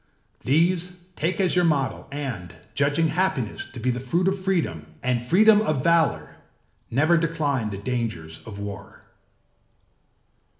These take as your model and, judging happiness to be the fruit of freedom and freedom of valour, never decline the dangers of war.